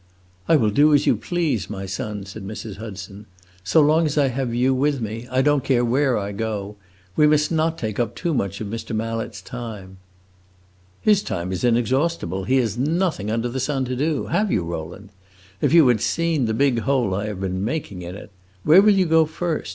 "I will do as you please, my son," said Mrs. Hudson. "So long as I have you with me I don't care where I go. We must not take up too much of Mr. Mallet's time." "His time is inexhaustible; he has nothing under the sun to do. Have you, Rowland? If you had seen the big hole I have been making in it! Where will you go first?